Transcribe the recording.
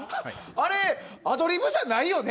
あれアドリブじゃないよね？